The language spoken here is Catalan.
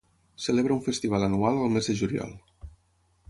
Celebra un festival anual al mes de juliol.